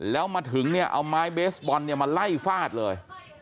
แล้วมาถึงเนี่ยเอาไม้เบสบอลเนี่ยมาไล่ฟาดเลย